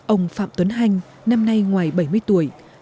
ông phạm tuấn hanh năm nay ngoài bảy mươi tuổi